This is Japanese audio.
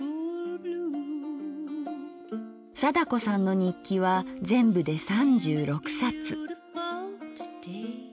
貞子さんの日記は全部で３６冊。